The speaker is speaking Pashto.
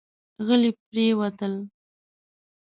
غلي پرېوتل.